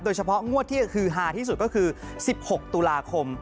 โดยเฉพาะงวดที่คือฮาที่สุดก็คือ๑๖ตุลาคม